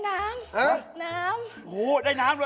กินได้ยังหนูจะกินได้ยัง